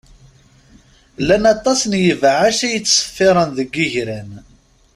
Llan aṭas n ibeɛɛac i yettṣeffiṛen deg yigran.